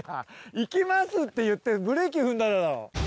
「行きます」って言ってブレーキ踏んだだろ！